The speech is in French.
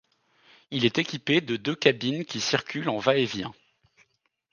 Il est équipé de deux cabines qui circulent en va-et-vient.